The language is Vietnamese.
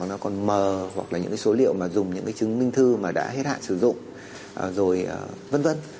nó còn mờ hoặc là những cái số liệu mà dùng những cái chứng minh thư mà đã hết hạn sử dụng rồi v v